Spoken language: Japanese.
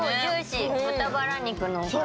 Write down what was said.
豚バラ肉のおかげ。